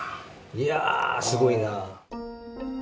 いやすごいな！